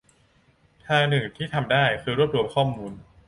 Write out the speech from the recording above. ทางหนึ่งที่ทำได้ คือรวบรวมข้อมูล